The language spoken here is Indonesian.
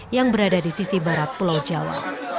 yang berada di sisi barat pulau jawa